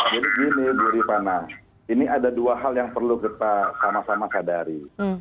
jadi gini bu ripana ini ada dua hal yang perlu kita sama sama sadari